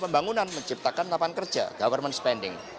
pembangunan menciptakan lapangan kerja government spending